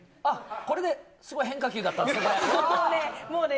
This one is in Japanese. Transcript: すごい変化球だったんですね。